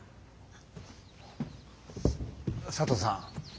佐藤さん